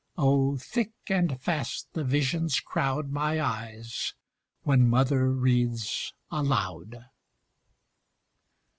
Oh, thick and fast the visions crowd My eyes, when Mother reads aloud.